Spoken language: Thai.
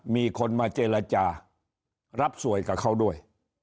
มีคนมาเจรจารับสวยกับเขาด้วย